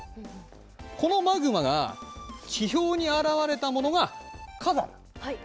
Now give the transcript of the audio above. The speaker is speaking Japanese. このマグマが地表に現れたものが火山。